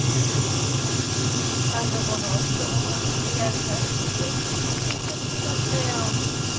あそこの奥さんは優しくてきれいな人だったよ。